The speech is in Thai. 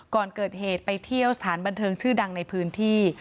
ก่อนเกิดเหตุไปเที่ยวสถานบันเทิงชื่อดังในพื้นที่